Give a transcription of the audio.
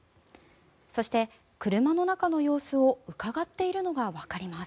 そして車の中の様子をうかがっているのがわかります。